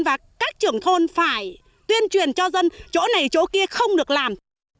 và các trưởng thôn phải tuyên truyền cho dân chỗ này chỗ kia không được làm